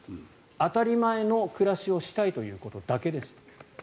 当たり前の暮らしをしたいということだけです。